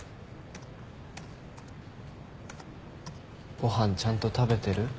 ご飯ちゃんと食べてる？